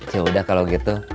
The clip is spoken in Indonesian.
ya udah kalau begitu